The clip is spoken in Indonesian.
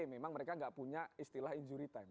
memang mereka nggak punya istilah injury time